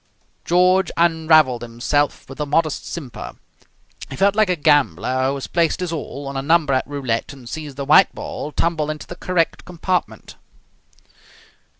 George unravelled himself with a modest simper. He felt like a gambler who has placed his all on a number at roulette and sees the white ball tumble into the correct compartment.